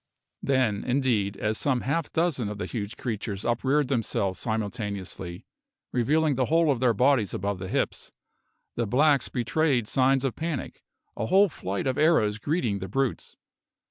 Then, indeed, as some half dozen of the huge creatures upreared themselves simultaneously, revealing the whole of their bodies above the hips, the blacks betrayed signs of panic, a whole flight of arrows greeting the brutes.